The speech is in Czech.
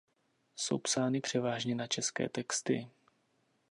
Jsou psány převážně na české texty.